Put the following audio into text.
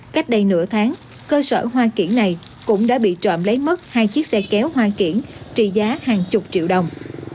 cách đây nửa tháng cơ sở hoa kiển này cũng đã bị trộm lấy mất hai chiếc xe kéo hoa kiển trị giá hàng chục triệu đồng